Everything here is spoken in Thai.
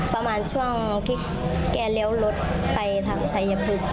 ประมาณช่วงที่แกเลี้ยวรถไปทางชัยพฤกษ์